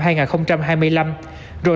rồi tăng trưởng mạnh